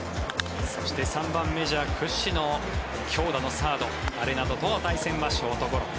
そして、３番メジャー屈指の強打のサードアレナドとの対戦はショートゴロ。